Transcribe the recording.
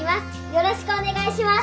よろしくお願いします。